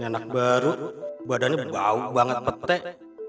ngenak baru badannya bau banget petek